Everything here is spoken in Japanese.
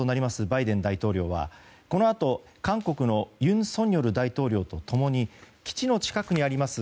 バイデン大統領はこのあと韓国の尹錫悦大統領と共に基地の近くにあります